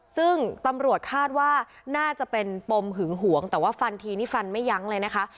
ซึ่งตำรวจคาดว่าน่าจะเป็นปมหึงหวงแต่ว่าฟันทีนี่ฟันไม่ยั้งเลยนะคะ